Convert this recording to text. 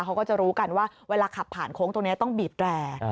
เขาก็จะรู้กันว่าเวลาขับผ่านโค้งตรงนี้ต้องบีบแร่